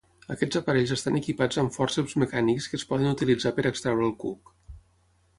Aquests aparells estan equipats amb fòrceps mecànics que es poden utilitzar per extreure el cuc.